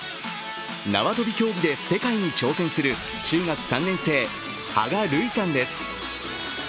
縄跳び競技で世界に挑戦する中学３年生、芳我琉衣さんです。